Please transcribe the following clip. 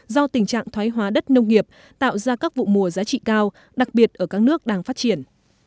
do tình trạng thoái hóa đất nông nghiệp tạo ra các vụ mùa giá trị cao đặc biệt ở các nước đang phát triển